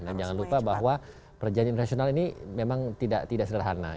dan jangan lupa bahwa perjanjian internasional ini memang tidak sederhana